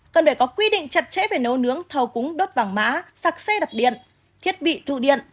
cần phải có quy định chặt chẽ về nấu nướng thầu cúng đốt vàng mã sạc xe đạp điện thiết bị thu điện